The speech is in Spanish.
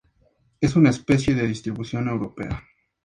Es una especie de distribución europea.